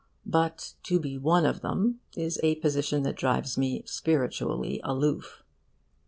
But to be one of them is a position that drives me spiritually aloof.